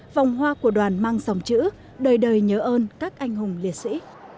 vòng hoa của đoàn mang dòng chữ đời đời nhớ ơn các anh hùng liệt sĩ